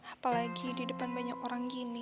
apalagi di depan banyak orang gini